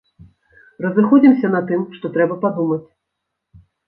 Разыходзімся на тым, што трэба падумаць.